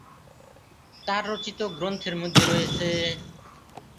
তার রচিত গ্রন্থের মধ্যে রয়েছেঃ